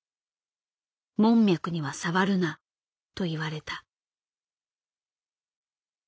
「門脈には触るな」と言われた。